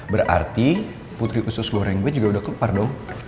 berarti putri usus goreng gue juga udah kelepar dong